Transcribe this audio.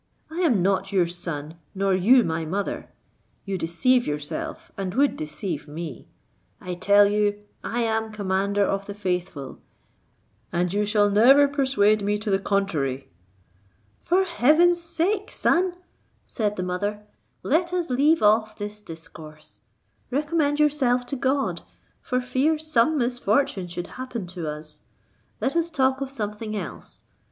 I am not your son, nor you my mother. You deceive yourself and would deceive me. I tell you I am the commander of the faithful, and you shall never persuade me to the contrary!" "For heaven's sake, son," said the mother, "let us leave off this discourse; recommend yourself to God, for fear some misfortune should happen to us; let us talk of something else.